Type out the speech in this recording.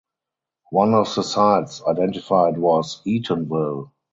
One of the sites identified was Eatonville.